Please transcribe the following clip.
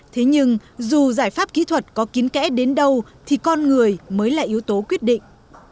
thế nhưng dù giải pháp kỹ thuật có kiến kẽ đến đâu thì con người mới là yếu tố quyết định